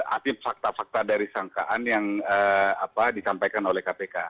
aktif fakta fakta dari sangkaan yang disampaikan oleh kpk